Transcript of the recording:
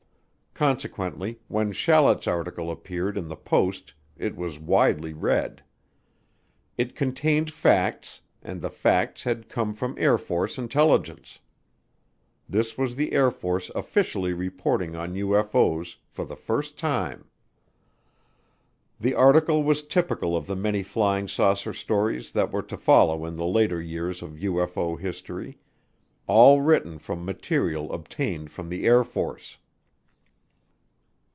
Consequently when Shallet's article appeared in the Post it was widely read. It contained facts, and the facts had come from Air Force Intelligence. This was the Air Force officially reporting on UFO's for the first time. The article was typical of the many flying saucer stories that were to follow in the later years of UFO history, all written from material obtained from the Air Force.